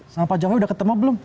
sama pak jokowi udah ketemu belum